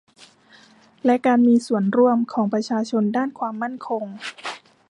และการมีส่วนร่วมของประชาชนด้านความมั่นคง